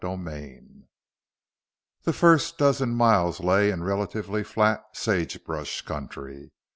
XII The first dozen miles lay in relatively flat sagebrush country.